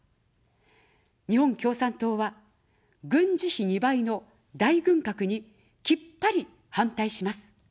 日本共産党は、軍事費２倍の大軍拡にきっぱり反対します。